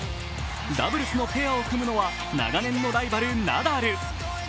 ダブルスのペアを組むのは長年のライバル・ナダル。